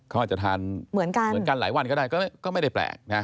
เขาอาจจะทานเหมือนกันหลายวันก็ได้ก็ไม่ได้แปลก